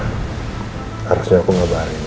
harusnya aku ngabarin